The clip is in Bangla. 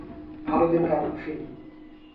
ভালো দিন কাটুক, ফিল।